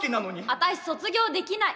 私卒業できない。